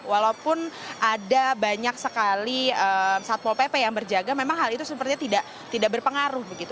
walaupun ada banyak sekali satpol pp yang berjaga memang hal itu sepertinya tidak berpengaruh begitu